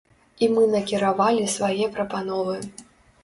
І мы накіравалі свае прапановы.